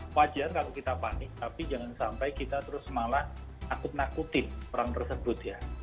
wajar kalau kita panik tapi jangan sampai kita terus malah nakut nakutin orang tersebut ya